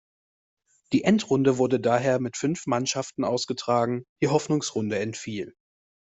Die Endrunde wurde daher mit fünf Mannschaften ausgetragen, die Hoffnungsrunde entfiel.